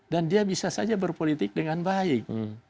dan dia bisa saja berpolitik dengan baik